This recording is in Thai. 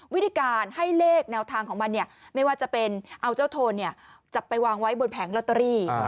วิธีการให้เลขแนวทางของมันไม่ว่าจะเป็นเอาเจ้าโทนจับไปวางไว้บนแผงลอตเตอรี่